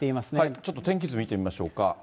ちょっと天気図見てみましょうか。